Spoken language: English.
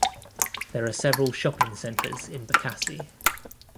There are several shopping centers in Bekasi.